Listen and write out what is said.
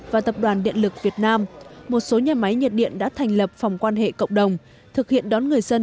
và tập đoàn điện lực việt nam một số nhà máy nhiệt điện đã thành lập phòng quan hệ cộng đồng thực hiện đón người dân